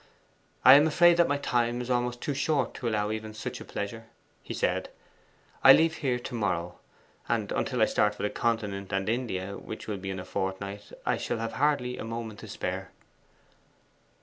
'I am afraid that my time is almost too short to allow even of such a pleasure,' he said. 'I leave here to morrow. And until I start for the Continent and India, which will be in a fortnight, I shall have hardly a moment to spare.